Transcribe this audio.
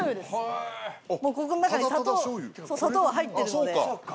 ここの中に砂糖砂糖が入ってるので。